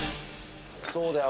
そうだよ